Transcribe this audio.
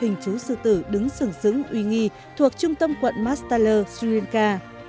hình chú sư tử đứng sừng sứng uy nghi thuộc trung tâm quận mastala sri lanka